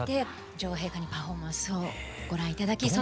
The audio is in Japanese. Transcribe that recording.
女王陛下にパフォーマンスをご覧頂き。